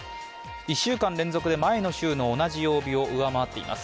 １週間連続で前の週の同じ曜日を上回っています。